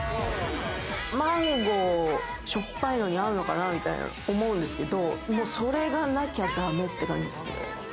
マンゴー、しょっぱいのに合うのかなって思うんですけれど、それがなきゃ駄目って感じですね。